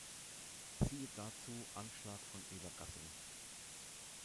Siehe dazu Anschlag von Ebergassing.